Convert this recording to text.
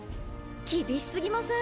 厳しすぎません？